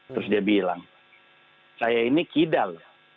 terus dia bilang saya ini kidal